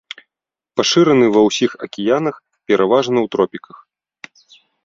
Пашыраны ва ўсіх акіянах, пераважна ў тропіках.